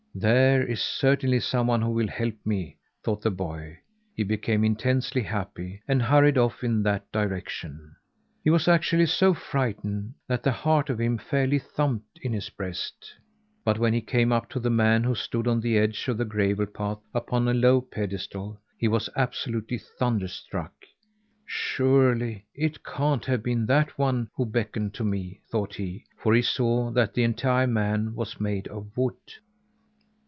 "There is certainly someone who will help me!" thought the boy; he became intensely happy, and hurried off in that direction. He was actually so frightened that the heart of him fairly thumped in his breast. But when he came up to the man who stood on the edge of the gravel path, upon a low pedestal, he was absolutely thunderstruck. "Surely, it can't have been that one who beckoned to me!" thought he; for he saw that the entire man was made of wood.